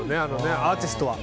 アーティストは。